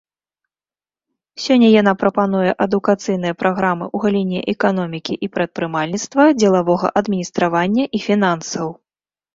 Сёння яна прапануе адукацыйныя праграмы ў галіне эканомікі і прадпрымальніцтва, дзелавога адміністравання і фінансаў.